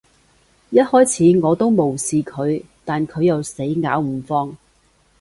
一開始，我都無視佢，但佢又死咬唔放